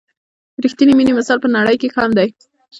د رښتیني مینې مثال په نړۍ کې کم دی.